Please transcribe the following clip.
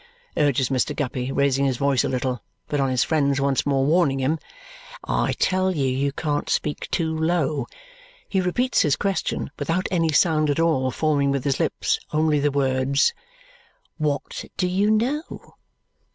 urges Mr. Guppy, raising his voice a little; but on his friend's once more warning him, "I tell you, you can't speak too low," he repeats his question without any sound at all, forming with his lips only the words, "What do you know?"